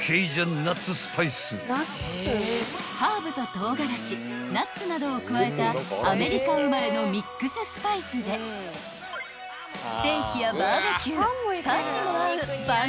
［ハーブと唐辛子ナッツなどを加えたアメリカ生まれのミックススパイスでステーキやバーベキューパンにも合う万能アイテム］